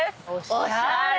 おしゃれ！